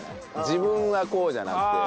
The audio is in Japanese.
「自分はこう」じゃなくて。